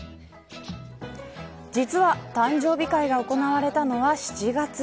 実は、誕生日会が行われたのは７月。